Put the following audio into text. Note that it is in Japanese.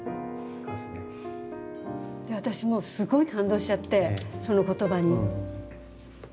で私もうすごい感動しちゃってその言葉に。